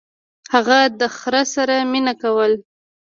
هغه د خر سره مینه کوله.